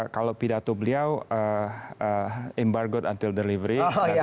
kalau pidato beliau embargo until delivery